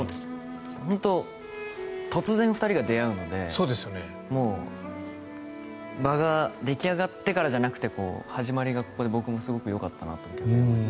本当に突然２人が出会うので場が出来上がってからじゃなくて始まりがここで僕もすごくよかったなと。